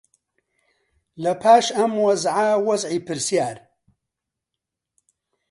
لەپاش ئەم وەزعە وەزعی پرسیار